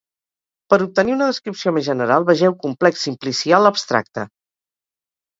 Per obtenir una descripció més general, vegeu complex simplicial abstracte.